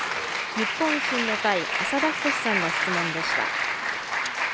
日本維新の会、浅田均さんの質問でした。